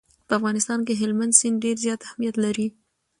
په افغانستان کې هلمند سیند ډېر زیات اهمیت لري.